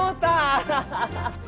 アハハハ！